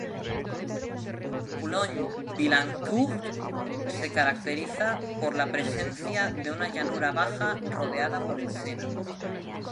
Boulogne-Billancourt se caracteriza por la presencia de una llanura baja rodeada por el Sena.